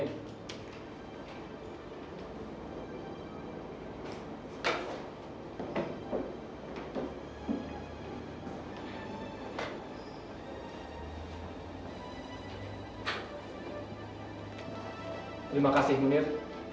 terima kasih munir